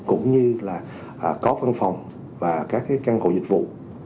cũng như là có phân phòng và các căn hộ dịch vụ